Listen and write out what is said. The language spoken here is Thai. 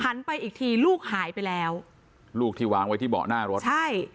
ไปอีกทีลูกหายไปแล้วลูกที่วางไว้ที่เบาะหน้ารถใช่